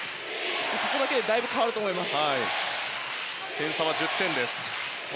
そこだけでだいぶ変わると思います。